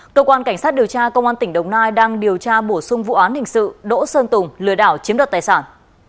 cơ quan cảnh sát điều tra công an tỉnh đồng nai đang điều tra bổ sung vụ án hình sự đỗ sơn tùng lừa đảo chiếm đoạt tài sản